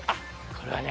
これはね。